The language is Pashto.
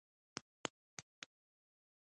هغه کور پاک او ښکلی ساته.